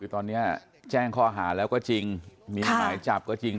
ตอนนี้แจ้งข้อหาแล้วก็จริงมีหมายจับก็จริง